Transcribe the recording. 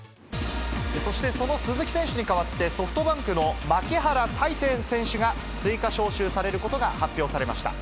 そしてその鈴木選手に代わって、ソフトバンクの牧原大成選手が追加招集されることが発表されました。